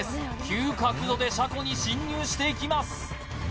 急角度で車庫に進入していきます